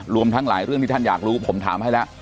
รวมทั้งหลายเรื่องที่ท่านอยากรู้ผมถามให้แล้ว